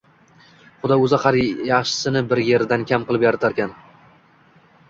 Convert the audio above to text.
Xudo o‘zi har jaxshini bir jeridan kam qilib yaratar ekan